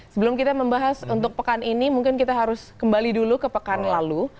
sebelum kita membahas untuk pekan ini mungkin kita harus kembali dulu ke pekan lalu